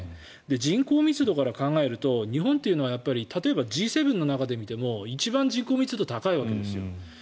人口密度から考えると日本というのは例えばＧ７の中で見ても一番人口密度が高いんですよ。